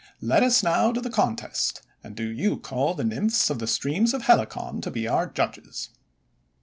Let us now to the contest, and do you call the Nymphs of the streams of Helicon to be our judges."